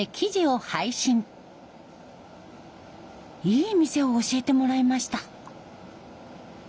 いい店を教えてもらいました。